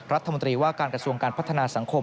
รัฐมนตรีว่าการกระทรวงการพัฒนาสังคม